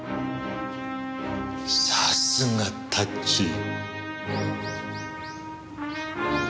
さっすがタッチー。